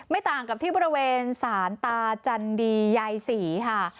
ต่างกับที่บริเวณศาลตาจันดียายศรีค่ะ